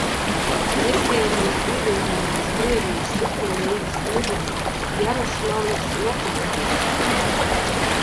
"Jevgeņijs pievienojās Krievijas Superlīgas klubam Jaroslavļas "Lokomotiv"."